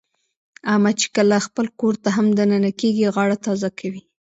احمد چې کله خپل کورته هم د ننه کېږي، غاړه تازه کوي.